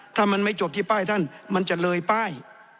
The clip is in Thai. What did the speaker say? ถ้ามันไม่จบที่ป้ายท่านมันจะเลยป้าย